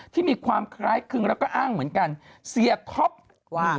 ที่มีความคล้ายคลึงแล้วก็อ้างเหมือนกันเสียท็อปว่า